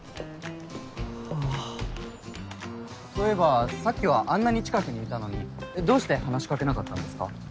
はぁそういえばさっきはあんなに近くにいたのにどうして話しかけなかったんですか？